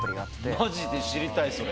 マジで知りたいそれ。